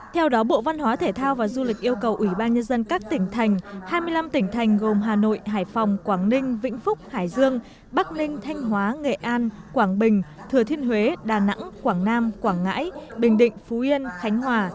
theo đó bộ văn hóa thể thao và du lịch yêu cầu ủy ban nhân dân các tỉnh thành hai mươi năm tỉnh thành gồm hà nội hải phòng quảng ninh vĩnh phúc hải dương bắc ninh thanh hóa nghệ an quảng bình thừa thiên huế đà nẵng quảng nam quảng ngãi bình định phú yên khánh hòa